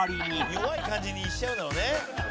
「弱い感じにしちゃうのよね」